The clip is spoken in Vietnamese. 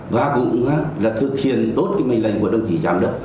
và cũng là thực hiện tốt cái mệnh lệnh của đồng chí giám đốc